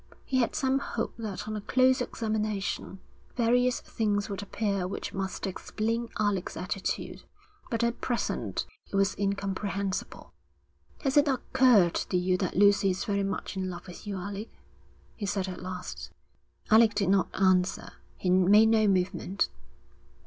He had some hope that on a close examination various things would appear which must explain Alec's attitude; but at present it was incomprehensible. 'Has it occurred to you that Lucy is very much in love with you, Alec?' he said at last. Alec did not answer. He made no movement.